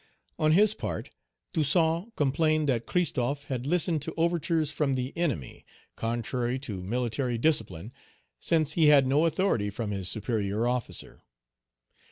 On his part, Toussaint complained that Christophe had listened to overtures from the enemy, contrary to military discipline, since he had no authority from his superior officer.